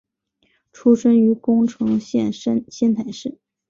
出身于宫城县仙台市。